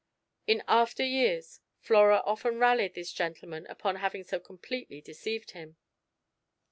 In after years Flora often rallied this gentleman upon having so completely deceived him.